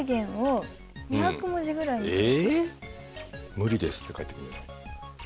無理ですって返ってくるんじゃない。